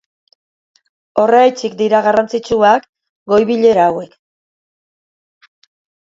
Horregatik dira garrantzitsuak goi-bilera hauek.